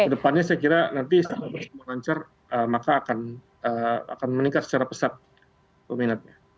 ke depannya saya kira nanti setelah semua lancar maka akan meningkat secara pesat peminatnya